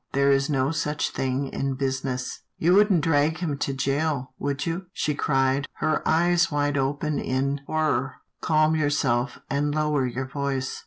There is no such thing in business." "You wouldn't drag him to jail, would you?" she cried, her eyes wide open in horror. " Calm yourself, and lower your voice.